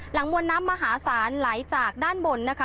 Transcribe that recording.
มวลน้ำมหาศาลไหลจากด้านบนนะคะ